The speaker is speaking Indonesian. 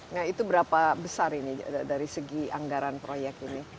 nah itu berapa besar ini dari segi anggaran proyek ini